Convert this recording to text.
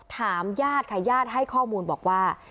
ถามญาติค่ะญาติให้ข้อมูลบอกว่า